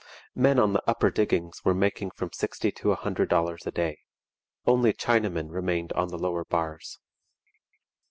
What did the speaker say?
Men on the upper diggings were making from sixty to a hundred dollars a day. Only Chinamen remained on the lower bars.